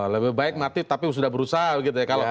lebih baik mati tapi sudah berusaha